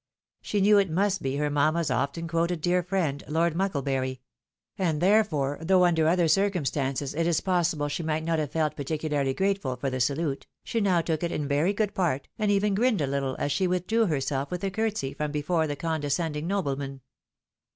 She knew it must be her mamma's often quoted dear friend. Lord Mucklebury ; and therefore, though under other circumstances it is possible that she might not have felt particularly grateful for the salute, she now took it in very good part, and even grinned a little as she withdrew herself with a courtesy from before the condescending nobleman.